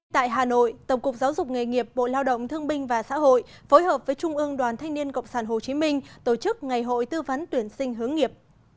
tại hà nội tổng cục giáo dục nghề nghiệp bộ lao động thương binh và xã hội phối hợp với trung ương đoàn thanh niên cộng sản hồ chí minh tổ chức ngày hội tư vấn tuyển sinh hướng nghiệp